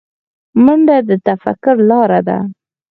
منډه د تفکر لاره ده